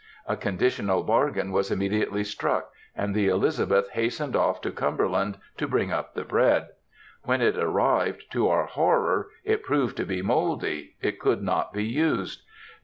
A conditional bargain was immediately struck, and the Elizabeth hastened off to Cumberland to bring up the bread. When it arrived, to our horror, it proved to be so mouldy it could not be used.